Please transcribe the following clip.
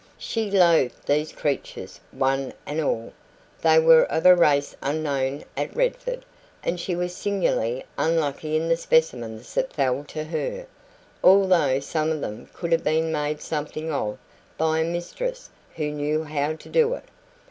She loathed these creatures, one and all. They were of a race unknown at Redford, and she was singularly unlucky in the specimens that fell to her; although some of them could have been made something of by a mistress who knew how to do it.